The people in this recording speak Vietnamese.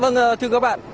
vâng thưa các bạn